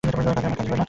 তাতে কাজ হবে না।